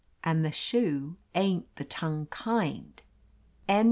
And the shoe ain't the tongue kind."